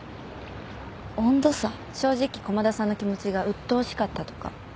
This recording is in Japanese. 正直駒田さんの気持ちがうっとうしかったとか？